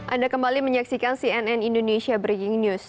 anda kembali menyaksikan cnn indonesia breaking news